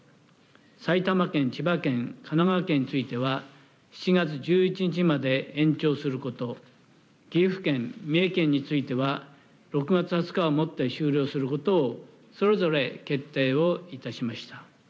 埼玉県、千葉県、神奈川県については、７月１１日まで延長すること、岐阜県、三重県については、６月２０日をもって終了することを、それぞれ決定をいたしました。